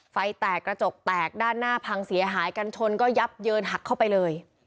ไฟแตกกระจกแตกด้านหน้าพังเสียหายกันชนก็ยับเยินหักเข้าไปเลย